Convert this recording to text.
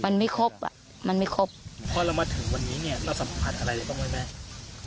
มันไม่ครบอ่ะมันไม่ครบพอเรามาถึงวันนี้เนี่ยเราสัมผัสอะไรเราบ้างไหมแม่